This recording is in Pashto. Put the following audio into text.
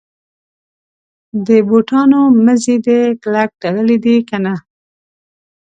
د بوټانو مزي دي کلک تړلي دي کنه.